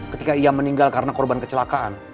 ketika ia meninggal karena korban kecelakaan